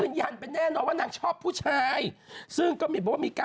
นางคิดแบบว่าไม่ไหวแล้วไปกด